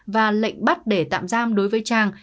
và lệnh bắt để tạm giam đối với trang